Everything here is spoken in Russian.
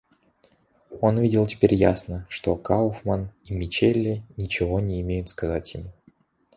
Он видел теперь ясно, что Кауфман и Мичели ничего не имеют сказать ему.